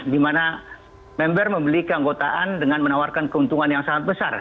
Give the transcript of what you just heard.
di mana member membeli keanggotaan dengan menawarkan keuntungan yang sangat besar